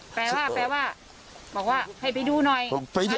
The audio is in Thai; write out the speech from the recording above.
แปลว่าแปลว่าบอกว่าให้ไปดูหน่อย